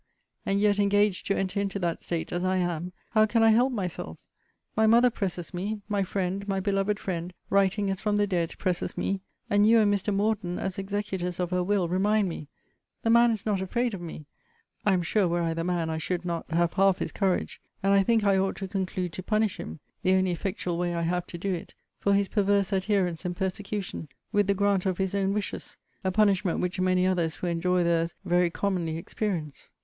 And yet, engaged to enter into that state, as I am, how can I help myself? My mother presses me; my friend, my beloved friend, writing as from the dead, presses me; and you and Mr. Morden, as executors of her will, remind me; the man is not afraid of me, [I am sure, were I the man, I should not have half his courage;] and I think I ought to conclude to punish him (the only effectual way I have to do it) for his perverse adherence and persecution, with the grant of his own wishes; a punishment which many others who enjoy their's very commonly experience.